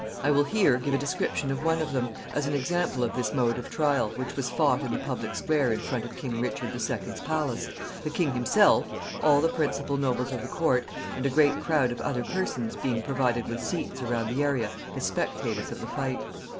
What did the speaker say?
I will here give a description of one of them, as an example of this mode of trial, which was fought in the public square in front of King Richard the Second's palace, the king himself, all the principal nobles of the court, and a great crowd of other persons being provided with seats around the area as spectators of the fight.